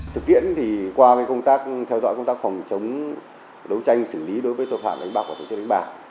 thực tiễn thì qua công tác theo dõi công tác phòng chống đấu tranh xử lý đối với tội phạm đánh bạc và tổ chức đánh bạc